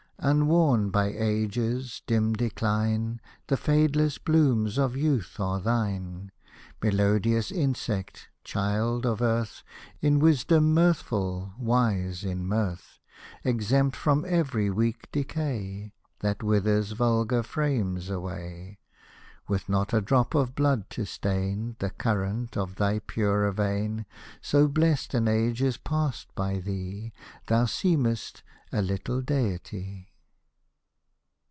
Unworn by age's dim decline, The fadeless blooms of youth are thine. Melodious insect, child of earth. In wisdom mirthful, wise in mirth ; Exempt from every weak decay, That withers vulgar frames away ; With not a drop of blood to stain The current of thy purer vein ; So blest an age is passed by thee, Thou seem'st — a little deity